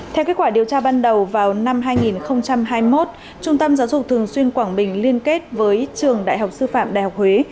theo kết quả điều tra ban đầu vào năm hai nghìn hai mươi một trung tâm giáo dục thường xuyên quảng bình liên kết với trường đại học sư phạm đại học huế